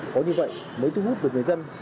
có như vậy mới thu hút được người dân